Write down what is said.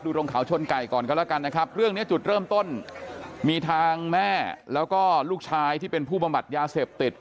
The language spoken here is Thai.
ตรงเขาชนไก่ก่อนกันแล้วกันนะครับเรื่องนี้จุดเริ่มต้นมีทางแม่แล้วก็ลูกชายที่เป็นผู้บำบัดยาเสพติด